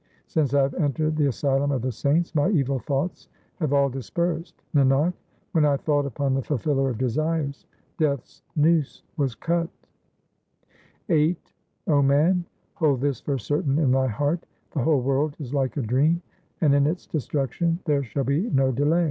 Since I have entered the asylum of the Saints, 1 my evil thoughts have all dispersed. Nanak, when I thought upon the Fulfiller of desires, Death's noose was cut. VIII O man, hold this for certain in thy heart — The whole world is like a dream, and in its destruction there shall be no delay. 1 The Gurus, his predecessors.